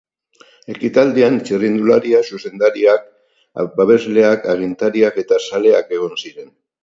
Ekitaldian, txirrindulariak, zuzendariak, babesleak, agintariak eta zaleak egon ziren.